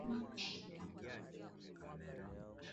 Wanyama waliokufa au mizoga